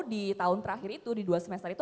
di tahun terakhir itu di dua semester itu